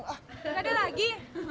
gak ada lagi